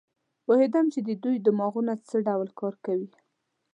پوهېدم چې د دوی دماغونه څه ډول کار کوي.